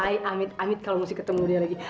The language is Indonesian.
i amit amit kalau mesti ketemu dia lagi